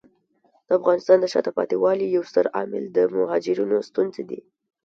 د افغانستان د شاته پاتې والي یو ستر عامل د مهاجرینو ستونزې دي.